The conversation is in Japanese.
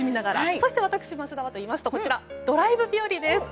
そして私桝田はといいますとドライブ日和です。